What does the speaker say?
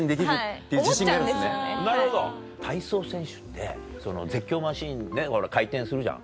体操選手って絶叫マシンねっほら回転するじゃん。